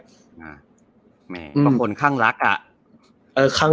แม่ก็คนข้างรักอ่ะ